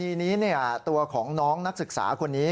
ทีนี้ตัวของน้องนักศึกษาคนนี้